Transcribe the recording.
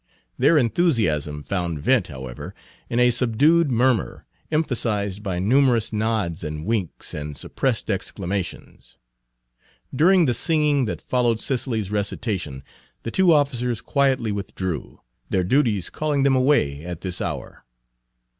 Their enthusiasm found Page 164 vent, however, in a subdued murmur, emphasized by numerous nods and winks and suppressed exclamations. During the singing that followed Cicely's recitation the two officers quietly withdrew, their duties calling them away at this hour.